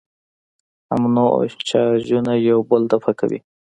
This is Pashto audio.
همنوع چارجونه یو بل دفع کوي.